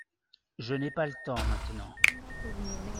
Je n’ai pas le temps maintenant.